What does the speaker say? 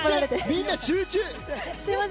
みんな、集中。